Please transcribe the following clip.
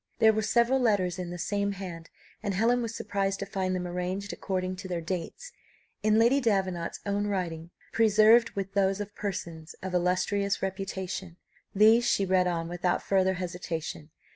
There were several letters in the same hand, and Helen was surprised to find them arranged according to their dates, in Lady Davenant's own writing preserved with those of persons of illustrious reputation! These she read on without further hesitation.